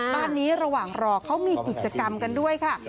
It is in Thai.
บ้านนี้ระหว่างรอเขามีกิจกรรมกันด้วยค่ะ